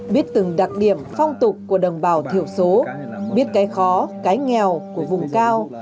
biết từng đặc điểm phong tục của đồng bào thiểu số biết cái khó cái nghèo của vùng cao